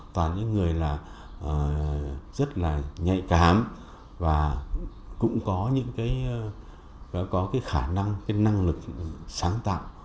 toàn những người là rất là nhạy cảm và cũng có những cái có cái khả năng cái năng lực sáng tạo